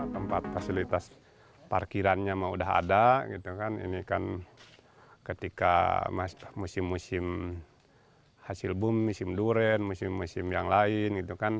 tempat fasilitas parkirannya sudah ada ketika musim musim hasil bumi musim duren musim musim yang lain